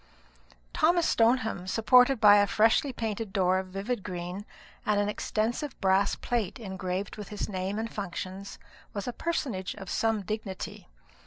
Thomas Stoneham, supported by a freshly painted door of a vivid green and an extensive brass plate engraved with his name and functions, was a personage of some dignity.